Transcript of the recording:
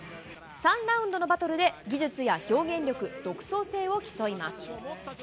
３ラウンドのバトルで、技術や表現力、独創性を競います。